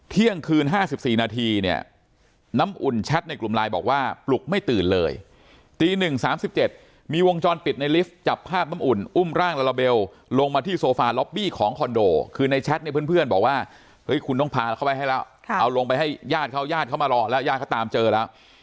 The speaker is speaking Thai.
เที่ยงคืน๕๔นาทีเนี่ยน้ำอุ่นแชทในกลุ่มไลน์บอกว่าปลุกไม่ตื่นเลยตี๑๓๗มีวงจรปิดในลิฟต์จับภาพน้ำอุ่นอุ้มร่างลาลาเบลลงมาที่โซฟาล็อบบี้ของคอนโดคือในแชทเนี่ยเพื่อนบอกว่าเฮ้ยคุณต้องพาเขาไปให้แล้วเอาลงไปให้ญาติเขาญาติเขามารอแล้วญาติเขาตามเจอแล้ว